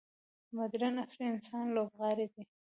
مډرن عصر انسان لوبغاړی دی.